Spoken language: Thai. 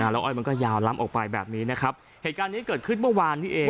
แล้วอ้อยมันก็ยาวล้ำออกไปแบบนี้นะครับเหตุการณ์นี้เกิดขึ้นเมื่อวานนี้เอง